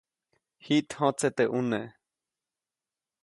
Jiʼt jõtse teʼ ʼune.